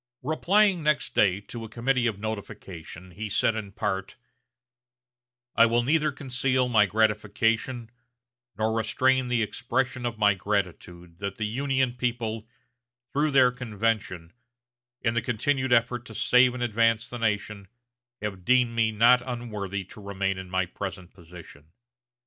Replying next day to a committee of notification, he said in part: "I will neither conceal my gratification nor restrain the expression of my gratitude that the Union people, through their convention, in the continued effort to save and advance the nation, have deemed me not unworthy to remain in my present position.